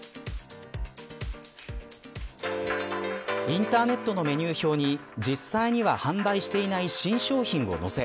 インターネットのメニュー表に実際には販売していない新商品を載せ